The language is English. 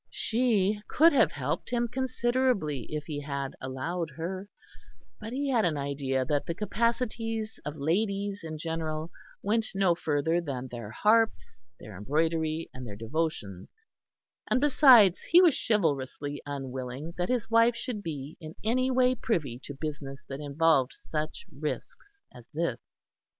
She could have helped him considerably if he had allowed her; but he had an idea that the capacities of ladies in general went no further than their harps, their embroidery and their devotions; and besides, he was chivalrously unwilling that his wife should be in any way privy to business that involved such risks as this.